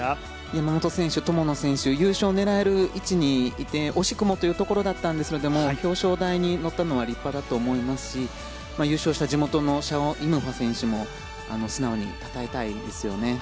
山本選手、友野選手優勝狙える位置にいて惜しくもというところだったんですけども表彰台に乗ったのは立派だと思いますし優勝した地元のシャオ・イム・ファ選手も素直にたたえたいですよね。